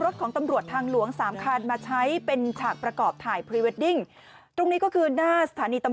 ด้านนี้